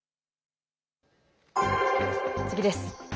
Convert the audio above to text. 次です。